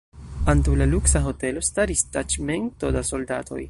Antaŭ la luksa hotelo staris taĉmento da soldatoj.